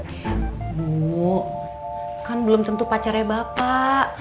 ibu kan belum tentu pacarnya bapak